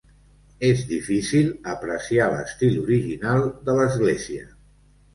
És difícil apreciar l'estil original de l'església.